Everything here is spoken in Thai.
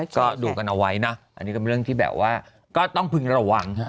ก็ดูกันเอาไว้นะอันนี้ก็เป็นเรื่องที่แบบว่าก็ต้องพึงระวังฮะ